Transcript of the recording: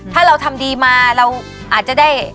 ถ้าเราทำดีมาเราอาจจะได้